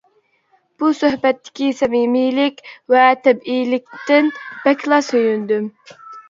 بۇ سۆھبەتتىكى سەمىمىيلىك ۋە تەبىئىيلىكتىن بەكلا سۆيۈندۈم.